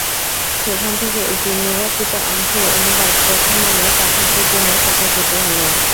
সেখান থেকে একটি নির্বাচিত অংশের অনুবাদ প্রথম আলোর পাঠকদের জন্য প্রকাশিত হলো।